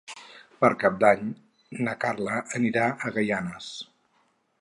Per Cap d'Any na Carla anirà a Gaianes.